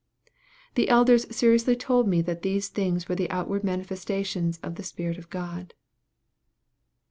The elders seriously told me that these things were the outward manifestations of the spirit of God.